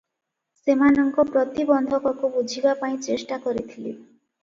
ସେମାନଙ୍କ ପ୍ରତିବନ୍ଧକକୁ ବୁଝିବା ପାଇଁ ଚେଷ୍ଟାକରିଥିଲି ।